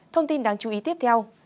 thông tin đáng chú ý tiếp theo